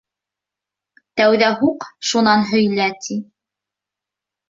Тәүҙә һуҡ, шунан һөйлә, ти.